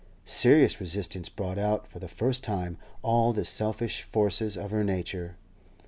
Serious resistance brought out for the first time all the selfish forces of her nature.